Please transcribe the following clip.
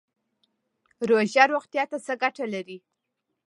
روژه روغتیا ته څه ګټه لري؟